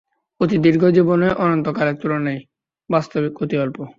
অতি দীর্ঘ জীবনও অনন্তকালের তুলনায় বাস্তবিক অতি অল্প।